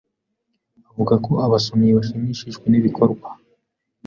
avuga ko abasomyi bashimishijwe nibikorwa